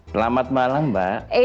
selamat malam mbak